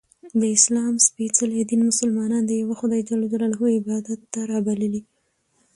د اسلام څپېڅلي دین ملسلمانان د یوه خدایﷻ عبادت ته رابللي